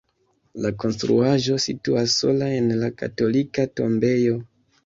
La konstruaĵo situas sola en la katolika tombejo.